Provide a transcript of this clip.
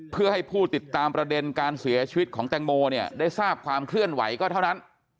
เพื่อให้ผู้ติดตามประเด็นการเสียชีวิตของแตงโมเนี่ยได้ทราบความเคลื่อนไหวก็เท่านั้น